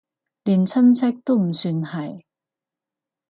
連親戚都唔算係